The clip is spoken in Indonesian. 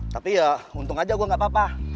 tapi ya untung aja gue gak apa apa